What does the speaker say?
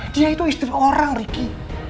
dia itu istri orang ricky